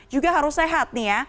juga harus sehat nih ya